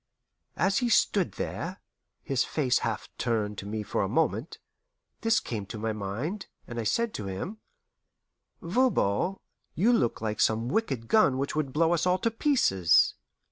As he stood there, his face half turned to me for a moment, this came to my mind, and I said to him, "Voban, you look like some wicked gun which would blow us all to pieces."